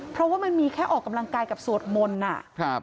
เพราะว่ามันมีแค่ออกกำลังกายกับสวดมนต์อ่ะครับ